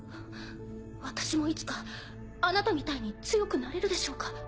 私もいつかあなたみたいに強くなれるでしょうか？